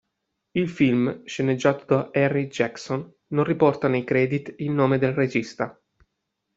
Il film, sceneggiato da Harry Jackson, non riporta nei credit il nome del regista.